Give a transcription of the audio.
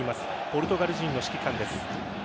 ポルトガル人の指揮官です。